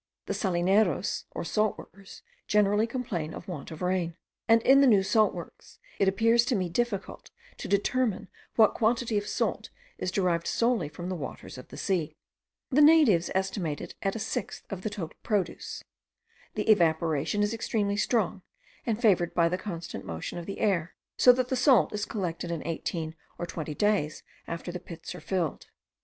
The salineros, or salt workers generally complain of want of rain; and in the new salt works, it appears to me difficult to determine what quantity of salt is derived solely from the waters of the sea. The natives estimate it at a sixth of the total produce. The evaporation is extremely strong, and favoured by the constant motion of the air; so that the salt is collected in eighteen or twenty days after the pits are filled.